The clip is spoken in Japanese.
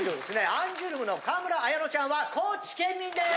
アンジュルムの川村文乃ちゃんは高知県民です。